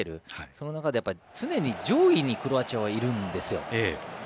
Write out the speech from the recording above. その中で常に上位にクロアチアはいるんですよ。